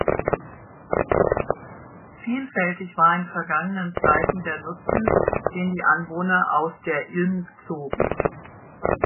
Vielfältig war in vergangenen Zeiten der Nutzen, den die Anwohner aus der Ilm zogen.